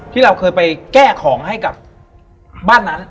ที่เราเคยไปแก้ของให้กับบ้านนั้น